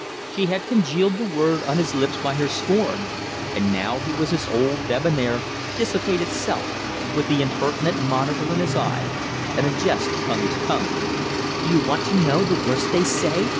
She had congealed the word on his lips by her scorn, and now he was his old debonair, dissipated self, with the impertinent monocle in his eye and a jest upon his tongue. "Do you want to know the worst they say?"